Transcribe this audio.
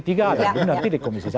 nanti di komisi satu